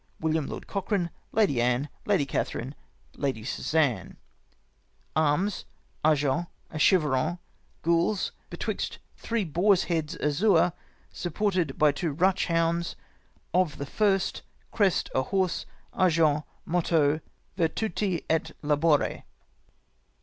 " William Lord Cochran, " Lady Anne, " Lady Catherine, " Lady Susanne. " ARMS. " Argent, a chiveron ; Gules, betwixt three Boars Heads, Azure, supported by two Eatch Hounds of the first; Crest, a Horse, Argent, Motto, Virtute et Lahore."